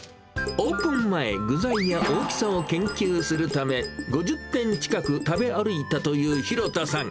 オープン前、具材や大きさを研究するため、５０店近く食べ歩いたという廣田さん。